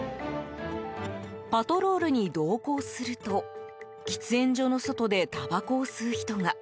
パトロールに同行すると喫煙所の外でたばこを吸う人が。